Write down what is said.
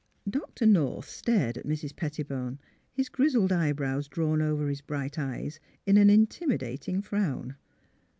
'' Doctor North stared at Mrs. Pettibone, his griz zled eyebrows drawn over his bright eyes in an intimidating frown.